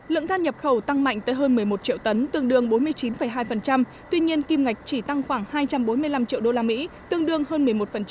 lượng than nhập khẩu tăng mạnh tới hơn một mươi một triệu tấn tương đương bốn mươi chín hai tuy nhiên kim ngạch chỉ tăng khoảng hai trăm bốn mươi năm triệu usd tương đương hơn một mươi một